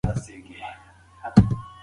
هغه کتاب چې پرون ولوستل شو ګټور و.